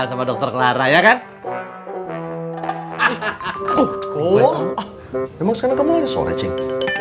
emang sekarang kamu aja sore cing